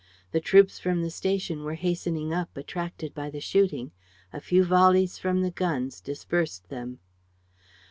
The troops from the station were hastening up, attracted by the shooting. A few volleys from the guns dispersed them.